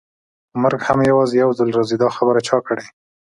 خو مرګ هم یوازې یو ځل راځي، دا خبره چا کړې؟